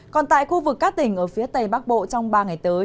còn tại khu vực các tỉnh ở phía tây bắc bộ trong ba ngày tới